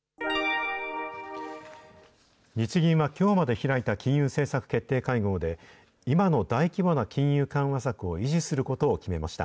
日銀はきょうまで開いた金融政策決定会合で、今の大規模な金融緩和策を維持することを決めました。